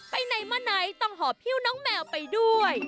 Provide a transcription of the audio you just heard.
ไปในมะนัยต้องหอพิ้วน้องแมวไปด้วย